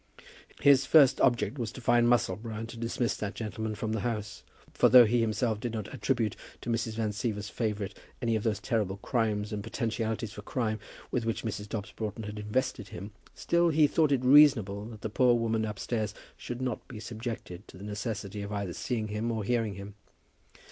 His first object was to find Musselboro, and to dismiss that gentleman from the house. For though he himself did not attribute to Mrs. Van Siever's favourite any of those terrible crimes and potentialities for crime, with which Mrs. Dobbs Broughton had invested him, still he thought it reasonable that the poor woman upstairs should not be subjected to the necessity of either seeing him or hearing him.